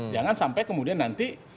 jangan sampai kemudian nanti